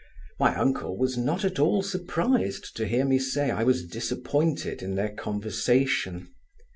My uncle was not at all surprised to hear me say I was disappointed in their conversation.